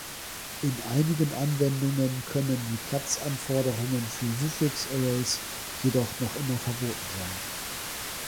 In einigen Anwendungen können die Platzanforderungen für Suffixarrays jedoch noch immer verboten sein.